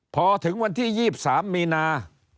พอถึงวันที่๒๓มีนา